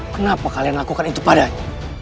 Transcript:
kenapa kalian lakukan itu padat